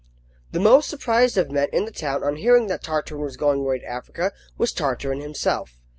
The most surprised of men in the town on hearing that Tartarin was going away to Africa, was Tartarin himself.